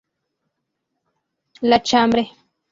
La Chambre